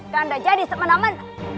dan anda jadi semenang menang